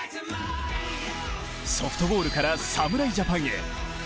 ソフトボールから侍ジャパンへ。